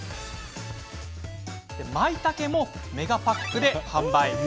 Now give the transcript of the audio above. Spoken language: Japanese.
まいたけもメガパックで販売。